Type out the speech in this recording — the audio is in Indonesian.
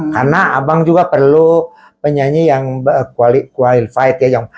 karena abang juga perlu penyanyi yang qualified ya